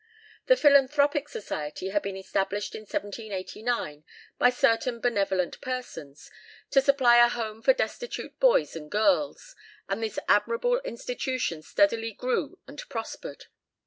The Philanthropic Society had been established in 1789 by certain benevolent persons, to supply a home for destitute boys and girls, and this admirable institution steadily grew and prospered.